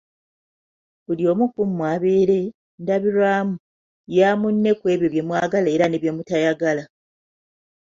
Buli omu ku mmwe abeere "ndabirwamu" ya munne ku ebyo bye mwagala era ne byemutayagala.